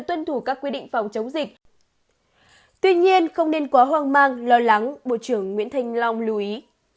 tuy nhiên không nên quá hoang mang lo lắng bộ trưởng nguyễn thanh long lưu ý